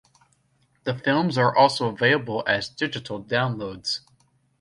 The films are also available as digital downloads.